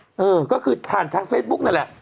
เออก็คือผ่านทางเฟซบุ๊กนั่นแหละ